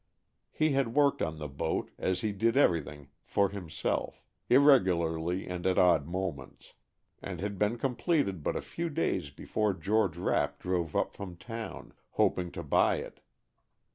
He had worked on the boat, as he did everything for himself, irregularly and at odd moments, and the boat had been completed but a few days before George Rapp drove up from town, hoping to buy it.